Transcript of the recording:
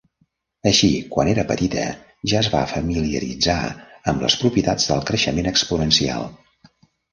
Així, quan era petita, ja es va familiaritzar amb les propietats del creixement exponencial.